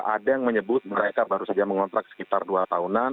ada yang menyebut mereka baru saja mengontrak sekitar dua tahunan